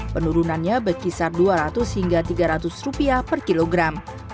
penurunannya berkisar dua ratus hingga rp tiga ratus per kilogram